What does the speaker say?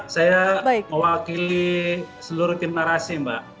saya mewakili seluruh tim narasi mbak